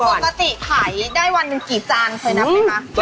ปกติไข่ได้วันเป็นกี่จานค่อยนับไหมคะ